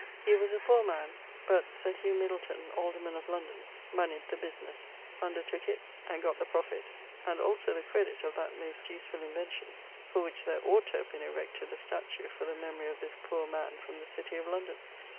He was a poore man, but Sir Hugh Middleton, alderman of London, moneyed the businesse; undertooke it; and gott the profit and also the credit of that most usefull invention, for which there ought to have been erected a statue for the memory of this poore man from the city of London.